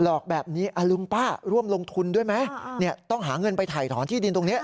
อกแบบนี้ลุงป้าร่วมลงทุนด้วยไหมต้องหาเงินไปถ่ายถอนที่ดินตรงนี้